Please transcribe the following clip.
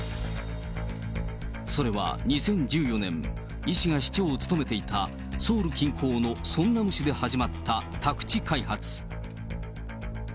それは、２０１４年、イ氏が市長を務めていたソウル近郊のソンナム市で始まった宅地開発。